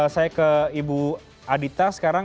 saya ke ibu adita sekarang